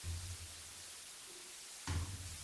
მეხიკოს შტატის ადმინისტრაციული ცენტრი.